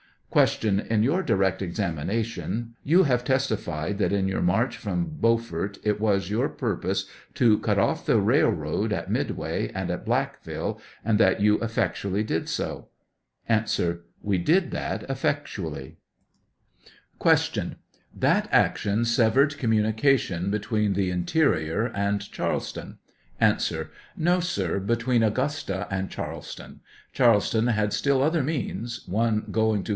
Q, In your direct examination you have testified that in your march from Beaufort it was your purpose to cut off the railroad at Midway and at Blackville, and that you effectually did so ? A. We did that effectually. 113 Q. That action severed communication between the interior and Charleston ? A. No, sir, between Augusta and Charleston ; Charles, ton had still other means — one going to.